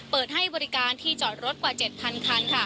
เปิดให้บริการที่จอดรถกว่า๗๐๐คัน